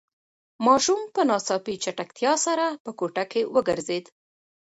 ماشوم په ناڅاپي چټکتیا سره په کوټه کې وگرځېد.